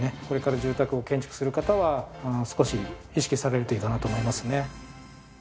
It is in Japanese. これから住宅を建築する方は少し意識されるといいかなと思いますね。